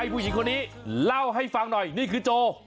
ผู้หญิงคนนี้เล่าให้ฟังหน่อยนี่คือโจ